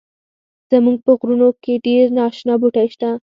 زمونږ په غرونو کښی ډیر ناشنا بوټی شته